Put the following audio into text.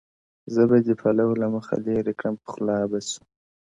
• زه به دي پلو له مخي لیري کړم پخلا به سو -